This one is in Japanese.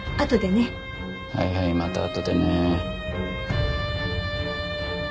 はいはいまたあとでね。